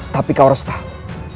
tapi kau harus tahu